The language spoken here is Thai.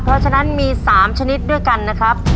เพราะฉะนั้นมี๓ชนิดด้วยกันนะครับ